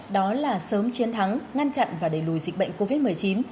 đó là sớm chiến thắng ngăn chặn và đẩy lùi dịch bệnh covid một mươi chín